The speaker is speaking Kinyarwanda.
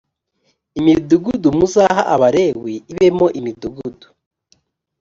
imidugudu muzaha abalewi ibemo imidugudu